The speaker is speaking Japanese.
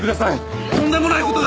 とんでもないことが！